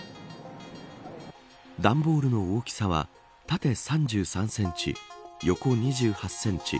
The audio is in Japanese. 段ボールの大きさは縦３３センチ横２８センチ